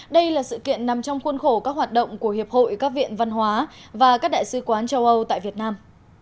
đây là sự kiện nằm trong khuôn khổ các hoạt động của hiệp hội các viện văn hóa và các đại sứ quán châu âu tại việt nam